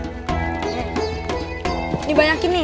ini banyak ini